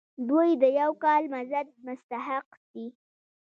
دوی د یو کال مزد مستحق دي.